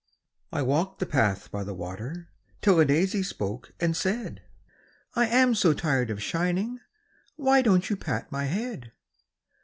I walked the path by the water, Till a daisy spoke and said, "I am so tired of shining; Why don't you pat my head?"